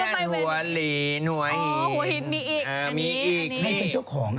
ถ้าต่อมานี่มีใครเป็นเจ้าของ